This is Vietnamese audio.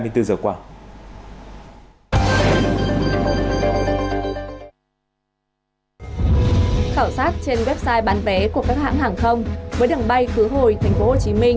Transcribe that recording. khảo sát trên website bán vé của các hãng hàng không với đường bay khứ hồi tp hcm